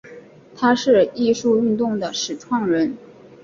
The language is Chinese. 他是艺术运动的始创人。